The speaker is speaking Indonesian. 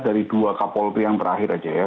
dari dua kapolri yang terakhir aja ya